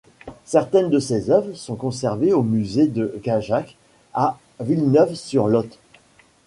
Certaines de ses œuvres sont conservées au Musée de Gajac à Villeneuve-sur-Lot.